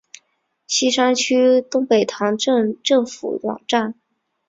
锡山区东北塘镇政府网站